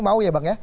mau ya bang ya